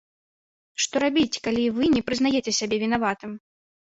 Што рабіць, калі вы не прызнаеце сябе вінаватым?